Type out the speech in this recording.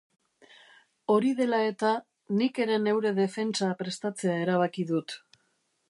Hori dela eta, nik ere neure defentsa prestatzea erabaki dut.